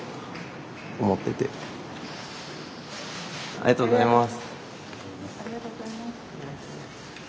ありがとうございます。